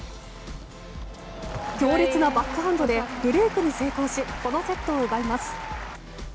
強烈なバックハンドでブレークに成功しこのセットを奪います。